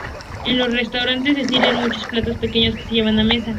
En estos restaurantes se sirven muchos platos pequeños que se llevan a mesa.